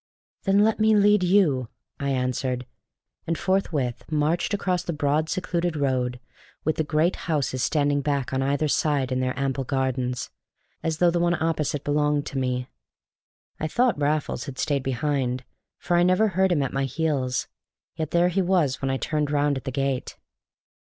"Then let me lead you, I answered, and forthwith marched across the broad, secluded road, with the great houses standing back on either side in their ample gardens, as though the one opposite belonged to me. I thought Raffles had stayed behind, for I never heard him at my heels, yet there he was when I turned round at the gate.